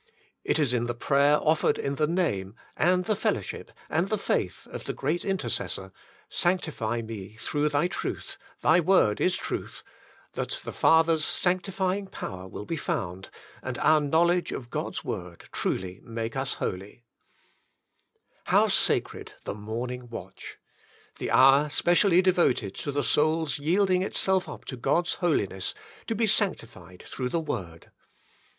It is in the prayer offered in the Name, and the fellow ship, and the faith of the Great Intercessor — "Sanctify me through Thy truth, Thy word is truth," that the Father's sanctifying power will be found, and our knowledge of God's word truly make us holy. Holiness — The Chief Aim of Bible Study 137 How sacred the Morning Watch! The hour specially devoted to the Soul's yielding itself up to God's holiness, to be sanctified through the Word.